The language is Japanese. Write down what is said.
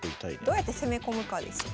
どうやって攻め込むかですよ。